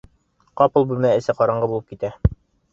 Ҡапыл бүлмә эсе ҡараңғы булып китә.